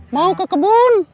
mau ke kebun